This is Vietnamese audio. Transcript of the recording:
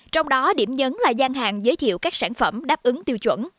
trong đó điểm nhấn là gian hàng giới thiệu các sản phẩm đáp ứng tiêu chuẩn